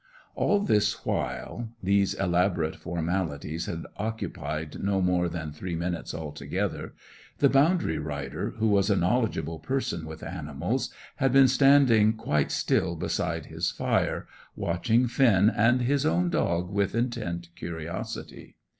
All this while these elaborate formalities had occupied no more than three minutes altogether the boundary rider, who was a knowledgeable person with animals, had been standing quite still beside his fire, watching Finn and his own dog with intent curiosity.